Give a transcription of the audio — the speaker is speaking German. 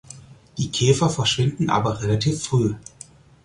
Die Käfer verschwinden aber relativ früh.